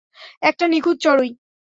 একটা নিখুঁত চড়ুই।